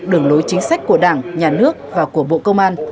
đường lối chính sách của đảng nhà nước và của bộ công an